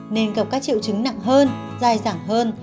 nên gặp các triệu chứng nặng hơn dài dẳng hơn